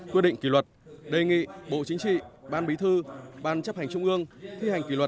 quyết định kỷ luật đề nghị bộ chính trị ban bí thư ban chấp hành trung ương